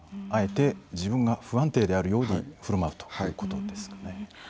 あえて自分が不安定であるようにふるまうということですね。